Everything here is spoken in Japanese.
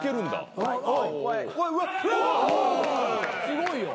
すごいよ。